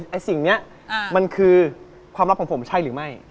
ไอ้สิ่งนี้มันคือความลับของผมใช่หรือไม่